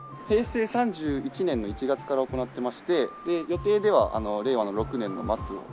平成３１年の１月から行ってまして予定では令和の６年の末。